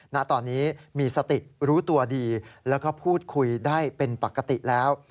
ณตอนนี้มีสติรู้ตัวดีแล้วก็พูดคุยได้เป็นปกติแล้ว